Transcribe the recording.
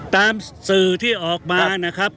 ตามสื่อที่ออกมานะครับ